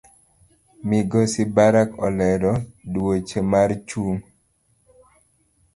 Migosi Baraka olero duache mar chung